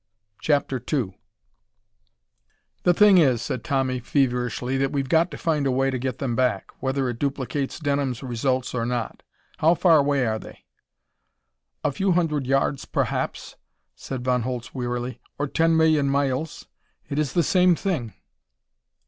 CHAPTER II "The thing is," said Tommy feverishly, "that we've got to find a way to get them back. Whether it duplicates Denham's results or not. How far away are they?" "A few hundred yards, perhaps," said Von Holtz wearily, "or ten million miles. It is the same thing.